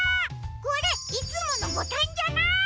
これいつものボタンじゃない！